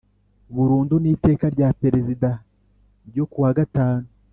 burundu n Iteka rya Perezida n ryo ku wa gatanu